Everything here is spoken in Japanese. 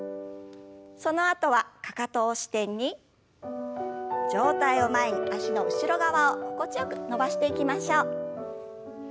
そのあとはかかとを支点に上体を前に脚の後ろ側を心地よく伸ばしていきましょう。